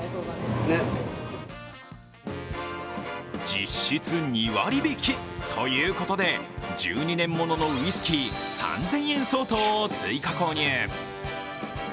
実質２割引きということで１２年物のウイスキー３０００円相当を追加購入。